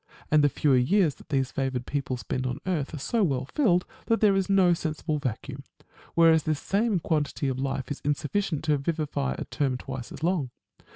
And the fewer years that these favoured people spend on the earth are so well filled that there is no sensible vacuum ; whereas this same quantity of life is insufficient to vivify a term twice as long.